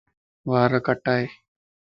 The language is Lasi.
وار ڦڙائي.